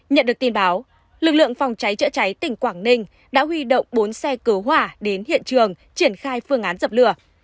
nhận được tin báo lực lượng phòng cháy chữa cháy tỉnh quảng ninh đã huy động bốn xe cứu hỏa đến hiện trường triển khai phương án dập lửa